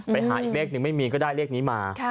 ไปหาอีกเลขหนึ่งไม่มีก็ได้เลขนี้มา